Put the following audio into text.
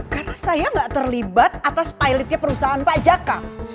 karena saya gak terlibat atas pilotnya perusahaan pak jaka